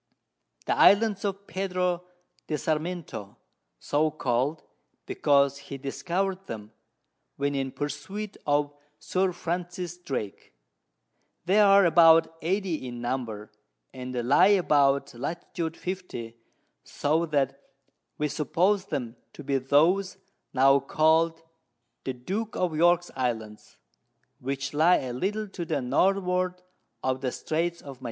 The Islands of Pedro de Sarmiento, so call'd, because he discover'd them, when in Pursuit of Sir Francis Drake. They are about 80 in Number, and lie about Lat. 50. so that we suppose them to be those now call'd The Duke of York's Islands, which lie a little to the Northward of the Straits of Magillan.